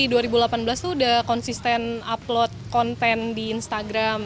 di dua ribu delapan belas itu udah konsisten upload konten di instagram